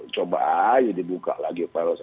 coba aja dibuka lagi file saya